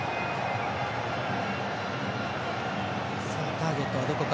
ターゲットは、どこか。